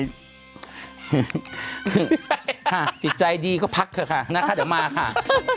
จิตใจดีก็พักเถอะค่ะนะคะเดี๋ยวมาค่ะ